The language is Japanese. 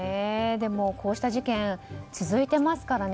こうした事件続いていますからね。